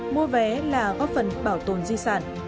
mua vé là góp phần bảo tồn di sản